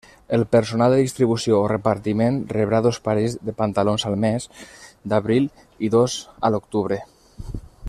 El personal de distribució o repartiment rebrà dos parells de pantalons al mes d'abril i dos a l'octubre.